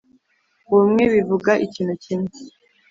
Ubumwe bivuga ikintu kimwe